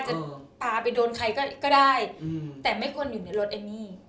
จะปลาไปโดนใครก็ได้แต่ไม่ควรอยู่ในรถเอมมี่